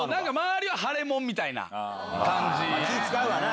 気ぃ使うわな。